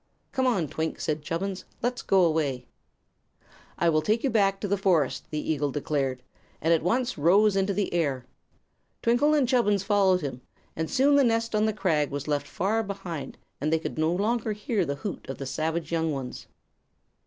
"_ "Come on, Twink," said Chubbins. "Let's go away." "I will take you back to the forest," the eagle declared, and at once rose into the air. Twinkle and Chubbins followed him, and soon the nest on the crag was left far behind and they could no longer hear the hoot of the savage young ones.